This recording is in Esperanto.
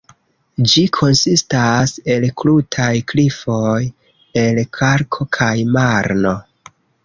Ĝi konsistas el krutaj klifoj el kalko kaj marno.